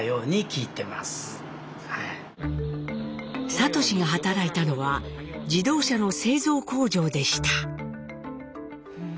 智が働いたのは自動車の製造工場でした。